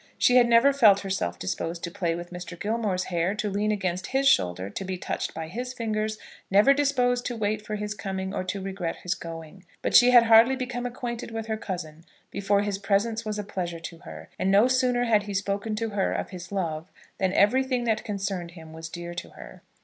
She had never felt herself disposed to play with Mr. Gilmore's hair, to lean against his shoulder, to be touched by his fingers, never disposed to wait for his coming, or to regret his going. But she had hardly become acquainted with her cousin before his presence was a pleasure to her; and no sooner had he spoken to her of his love, than everything that concerned him was dear to her.